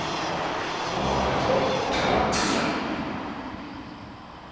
このままだとただのクズだ！